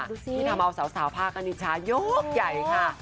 ที่ทำเอาสาวพากันนิชายกใหญ่ค่ะ